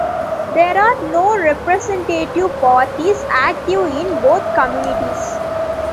There are no representative parties active in both communities.